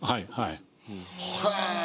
へえ！